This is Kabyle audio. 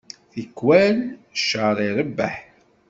Tikkal, cceṛ irebbeḥ.